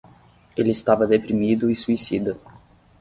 Ele estava deprimido e suicida.